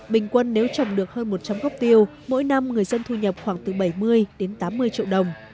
bình quân nếu trồng được hơn một trăm linh gốc tiêu mỗi năm người dân thu nhập khoảng từ bảy mươi đến tám mươi triệu đồng